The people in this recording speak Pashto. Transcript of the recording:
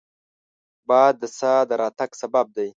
باد د سا د راتګ سبب دی